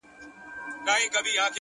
هوډ د نامعلومې لارې ملګری دی